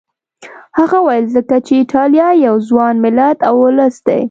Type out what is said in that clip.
هغه وویل ځکه چې ایټالیا یو ځوان ملت او ولس دی.